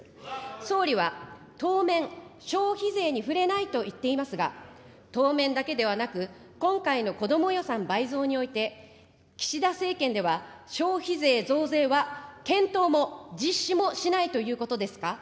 総理は当面、消費税に触れないと言っていますが、当面だけではなく、今回のこども予算倍増において、岸田政権では消費税増税は、検討も実施もしないということですか。